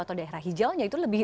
atau daerah hijaunya itu lebih